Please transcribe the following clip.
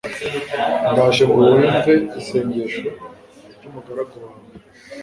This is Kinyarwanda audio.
ndaje ngo wumve isengesho ry' umugaragu wawe